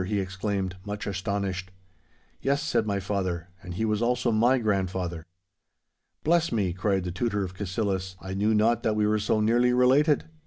he exclaimed, much astonished. 'Yes,' said my father; 'and he was also my grandfather.' 'Bless me!' cried the Tutor of Cassillis; 'I knew not that we were so nearly related.